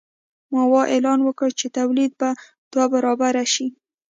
ماوو اعلان وکړ چې تولید به دوه برابره شي.